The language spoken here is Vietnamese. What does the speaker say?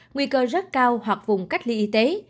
nguy cơ rất cao hoặc vùng cách ly y tế